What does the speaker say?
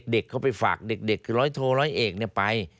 เด็กเขาไปฝากเด็กคือร้อยโทร้อยเอกไป